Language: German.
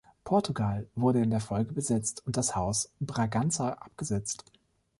Portugal wurde in der Folge besetzt und das Haus Braganza abgesetzt.